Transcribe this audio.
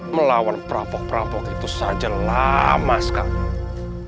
melawan perapok perapok itu saja lama sekali